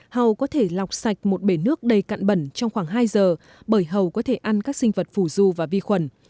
hàu có thể lọc sạch một bể nước đầy cạn bẩn trong khoảng hai giờ bởi hàu có thể ăn các sinh vật phù du và vi khuẩn